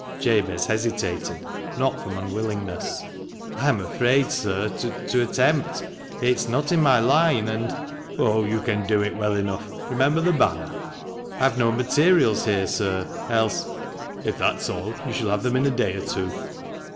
Jabez hesitated, not from unwillingness. "I'm afraid, sir, to attempt. It's not in my line, and "" Oh ! you can do it well enough. Remember the banner." " I've no materials here, sir, else "" If that is all, you shall have them in a day or two."